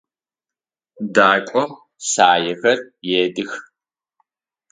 Дакӏом саехэр едых.